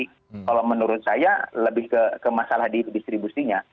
kalau menurut saya lebih ke masalah di distribusinya